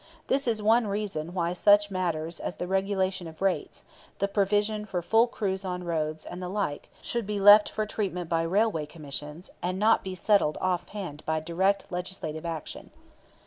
This is one reason why such matters as the regulation of rates, the provision for full crews on roads and the like should be left for treatment by railway commissions, and not be settled off hand by direct legislative action.